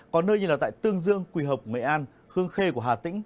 có nơi như là tại tương dương quỳ hợp nghệ an hương khê của hà tĩnh